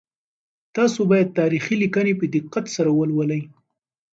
تاسو باید تاریخي لیکنې په دقت سره ولولئ.